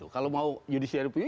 kalau mau yudisiar review